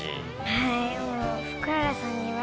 はい。